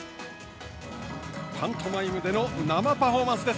パントマイムでの生パフォーマンスです。